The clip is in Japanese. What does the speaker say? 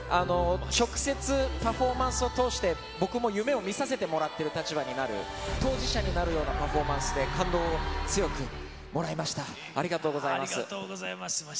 直接パフォーマンスを通して、僕も夢をみさせてもらってる立場になる、当事者になるようなパフォーマンスで、感動を強くもらいました。